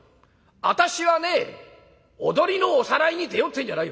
私はね踊りのおさらいに出ようってんじゃないよ。